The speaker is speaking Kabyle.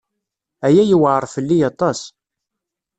Aya yewɛeṛ fell-i aṭas.